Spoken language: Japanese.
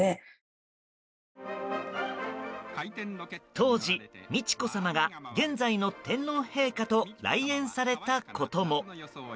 当時、美智子さまが現在の天皇陛下と来園されたことも。